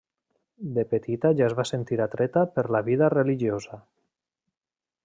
De petita ja es va sentir atreta per la vida religiosa.